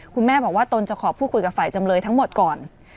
คุณแม่บอกว่าตนจะขอพูดคุยกับฝ่ายจำเลยทั้งหมดก่อน